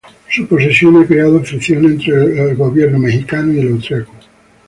Su posesión ha creado fricciones entre el gobierno mexicano y el austriaco.